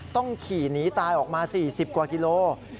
ต้องขี่หนีตายออกมา๔๐กว่ากิโล